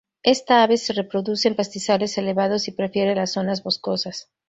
Esta ave se reproduce en pastizales elevados y prefiere las zonas boscosas.